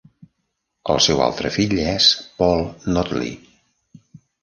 El seu altre fill és Paul Notley.